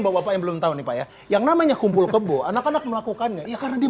bapak bapak yang belum tahu nih pak ya yang namanya kumpul kebo anak anak melakukannya ya karena di